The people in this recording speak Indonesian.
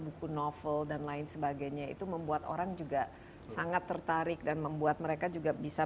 buku novel dan lain sebagainya itu membuat orang juga sangat tertarik dan membuat mereka juga bisa